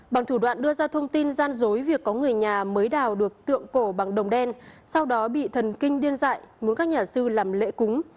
bằng thủ đoạn đưa ra thông tin gian dối việc có người nhà mới đào được tượng cổ bằng đồng đen sau đó bị thần kinh điên dại muốn các nhà sư làm lễ cúng